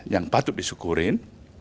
yang patut disyukurin